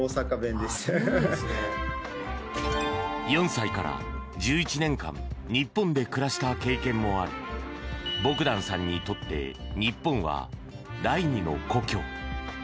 ４歳から１１年間日本で暮らした経験もありボグダンさんにとって日本は第２の故郷。